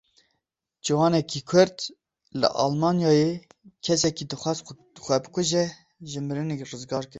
Ciwanekî Kurd li Almanyayê kesekî dixwast xwe bikuje ji mirinê rizgar kir.